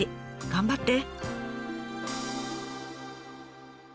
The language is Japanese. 頑張って！